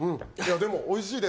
でもおいしいです。